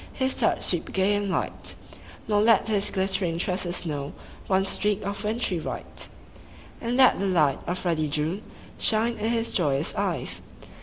His touch sweep gay and light; Nor let his glittering tresses know One streak of wintry white. And let the light of ruddy June Shine in his joyous eyes.